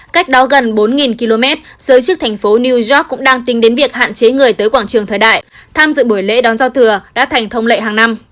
cách đó gần bốn km giới chức thành phố new york cũng đang tính đến việc hạn chế người tới quảng trường thời đại tham dự buổi lễ đón giao thừa đã thành thông lệ hàng năm